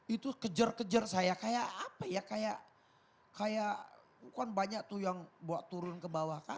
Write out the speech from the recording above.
itu kejar kejar saya kayak apa ya kayak bukan banyak tuh yang bawa turun ke bawah kan